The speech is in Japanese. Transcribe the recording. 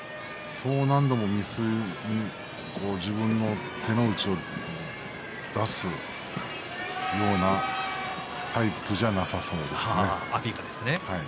そう何度も自分の手の内を出すようなタイプでは阿炎ですね。